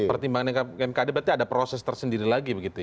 pertimbangan mkd berarti ada proses tersendiri lagi begitu ya